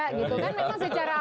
kan mereka secara alami